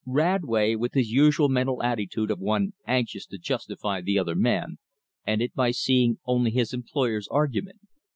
Radway, with his usual mental attitude of one anxious to justify the other man, ended by seeing only his employer's argument.